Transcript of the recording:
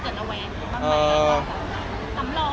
ทำให้ตัวเราเกิดระแวง